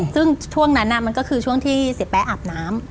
ซึ่งช่วงนั้นมันก็คือช่วงที่เสียแป๊ะอาบน้ำ